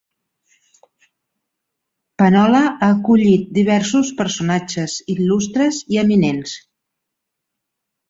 Penola ha acollit diversos personatges il·lustres i eminents.